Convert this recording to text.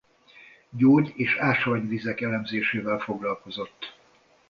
Gyógy- és ásványvizek elemzésével foglalkozott.